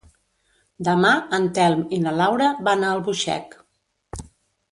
Demà en Telm i na Laura van a Albuixec.